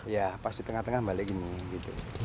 iya pas di tengah tengah balik gini